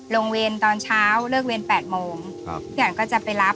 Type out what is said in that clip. ลงเวนตอนเช้าเลิกเวน๘โมงก็จะไปรับ